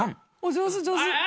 上手上手。